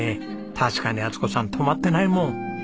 確かに充子さん止まってないもん！